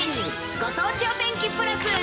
ご当地お天気プラス。